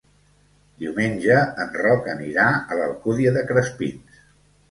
Diumenge en Roc anirà a l'Alcúdia de Crespins.